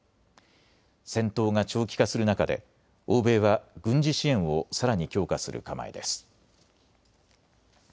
戦闘が長期化する中で欧米は軍事支援をさらに強化する構えです。